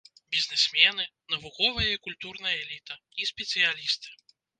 Бізнесмены, навуковая і культурная эліта і спецыялісты.